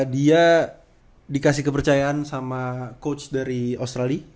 dia dikasih kepercayaan sama coach dari australia